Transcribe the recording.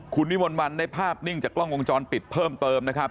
คุณวิมนต์วันได้ภาพนิ่งจากกล้องวงจรปิดเพิ่มเติมนะครับ